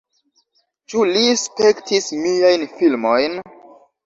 Ĉu li spektis miajn filmojn?